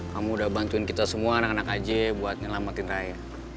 kamu udah bantuin kita semua anak anak aja buat nyelamatin raya